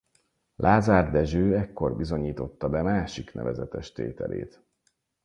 Lázár Dezső ekkor bizonyította be másik nevezetes tételét.